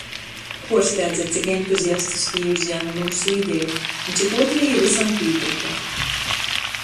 Puorsteidze, cik entuziastiski jī uzjēme myusu ideju un cik uotri jī vysam pīkryta.